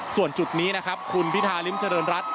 ส่วนจุดนี้คุณวิทาลิมเฉริญรัฐ